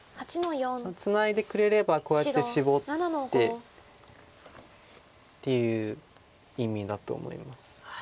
ツナいでくれればこうやってシボってっていう意味だと思います。